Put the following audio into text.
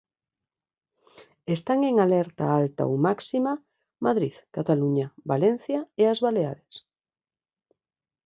Están en alerta alta ou máxima Madrid, Cataluña, Valencia e as Baleares.